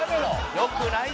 よくないぞ。